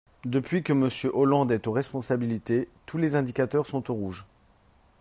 Depuis que Monsieur Hollande est aux responsabilités, tous les indicateurs sont au rouge.